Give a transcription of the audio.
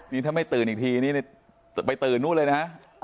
นี่ถ้าไม่ตื่นอีกทีนี่ไปตื่นนู่นเลยนะ